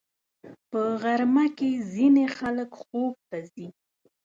په غرمه کې ځینې خلک خوب ته ځي